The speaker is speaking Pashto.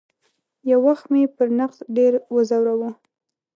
یو وخت مې پر نقد ډېر وځوراوه.